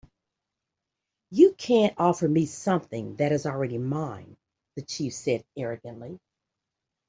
"You can't offer me something that is already mine," the chief said, arrogantly.